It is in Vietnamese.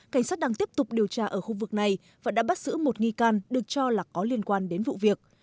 cảnh sát đang tiếp tục điều tra ở khu vực này và đã bắt giữ một nghi can được cho là có liên quan đến vụ việc